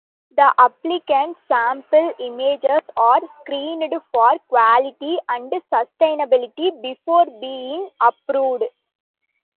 The applicant's sample images are screened for quality and suitability before being approved.